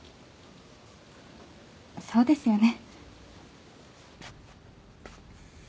そうですよね。